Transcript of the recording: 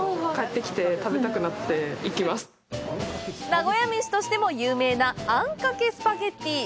名古屋めしとしても有名なあんかけスパゲッティ。